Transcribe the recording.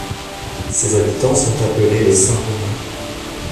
Ses habitants sont appelés les Saint-Romains.